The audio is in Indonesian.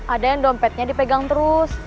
ada yang dompetnya dipegang terus